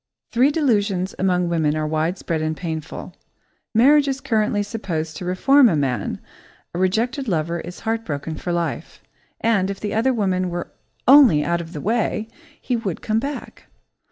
Three delusions among women are widespread and painful. Marriage is currently supposed to reform a man, a rejected lover is heartbroken for life, and, if "the other woman" were only out of the way, he would come back.